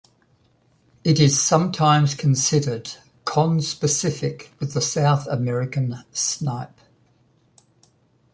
It is sometimes considered conspecific with the South American snipe.